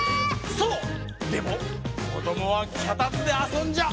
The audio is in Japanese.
そうでもこどもはきゃたつであそんじゃ。